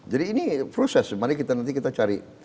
jadi ini proses mari nanti kita cari